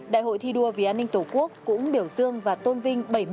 đại hội thi đua vì an ninh tổ quốc cũng biểu dương và tôn vinh